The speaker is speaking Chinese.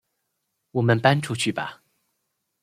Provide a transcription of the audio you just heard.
我们搬出去吧